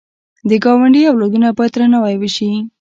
د ګاونډي اولادونه باید درناوی وشي